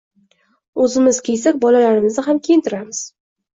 O‘zimiz kiysak, bolalarimizni ham kiyintiramiz.